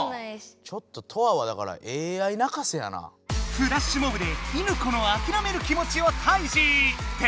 フラッシュモブで犬子のあきらめる気持ちを退治！って